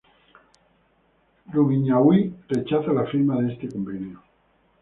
Rumiñahui rechaza la firma de este convenio.